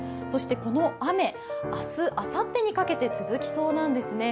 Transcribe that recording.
この雨、明日、あさってにかけて続きそうなんですね。